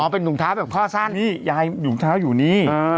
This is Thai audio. เป็นถุงเท้าแบบพ่อสั้นนี่ยายถุงเท้าอยู่นี่